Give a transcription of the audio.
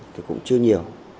thì cũng chưa nhiều